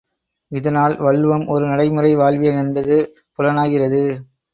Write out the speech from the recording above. இதனால் வள்ளுவம் ஒரு நடை முறை வாழ்வியல் என்பது புலனாகிறது.